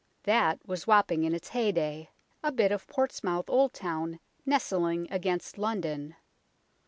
That was Wapping in its hey day, a bit of Portsmouth old town nestling against London.